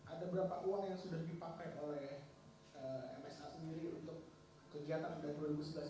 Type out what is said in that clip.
ada berapa uang yang sudah dipakai oleh msa sendiri untuk kegiatan bergurau gurau ini